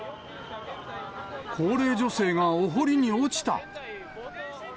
高齢女性がお堀に落ちた。